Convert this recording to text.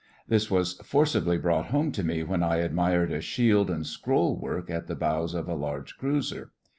This was forcibly brought home to me when I admired a shield and scroll work at the bows of a large cruiser.